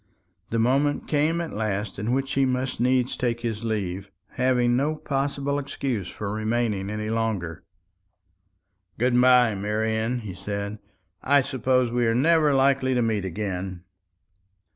The moment came at last in which he must needs take his leave, having no possible excuse for remaining any longer. "Good bye, Marian," he said. "I suppose we are never likely to meet again."